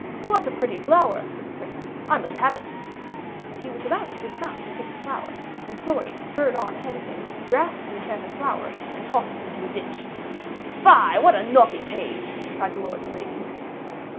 "What a pretty flower!" said the Prince. "I must have it." And he was about to dismount and pick the flower, when Florian spurred on ahead of him, grasped the enchanted flower, and tossed it into a ditch. "Fie, what a naughty page!" cried the lords and ladies.